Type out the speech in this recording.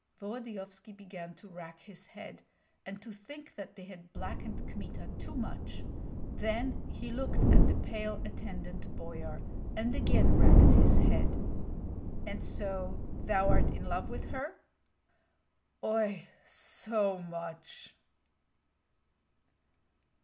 Volodyovski began to rack his head, and to think that they had blackened Kmita too much; then he looked at the pale attendant boyar and again racked his head. "And so thou art in love with her?" "Oi, so much!"